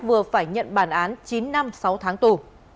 vừa phải nhận bản án chín năm sáu tháng tù